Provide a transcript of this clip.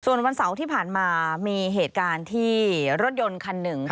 ส่วนวันเสาร์ที่ผ่านมามีเหตุการณ์ที่รถยนต์คันหนึ่ง